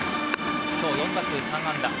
今日、４打数３安打。